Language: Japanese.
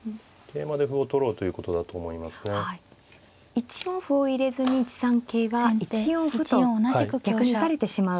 １四歩を入れずに１三桂が１四歩と逆に打たれてしまう。